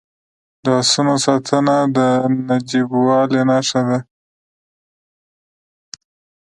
د اسونو ساتنه د نجیبوالي نښه ده.